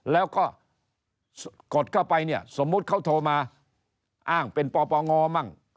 แล้วก็กดเข้าไปสมมุติเขาโทรมาอ้างเป็นป่๊องบ้าง